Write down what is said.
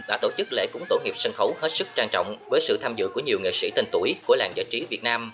đã tổ chức lễ cúng tổ nghiệp sân khấu hết sức trang trọng với sự tham dự của nhiều nghệ sĩ tên tuổi của làng giải trí việt nam